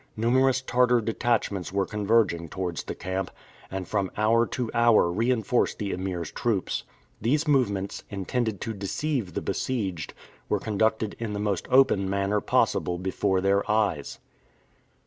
Numerous Tartar detachments were converging towards the camp, and from hour to hour reinforced the Emir's troops. These movements, intended to deceive the besieged, were conducted in the most open manner possible before their eyes.